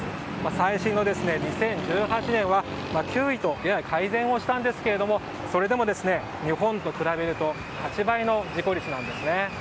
最新の２０１８年は９位とやや改善をしたんですけどもそれでも日本と比べると８倍の事故率なんですね。